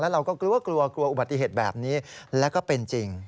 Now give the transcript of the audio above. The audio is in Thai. เราก็กลัวกลัวอุบัติเหตุแบบนี้แล้วก็เป็นจริง